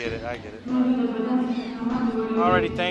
منډه د بدن استقامت لوړوي